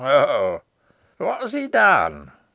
ho!" "What has he done?"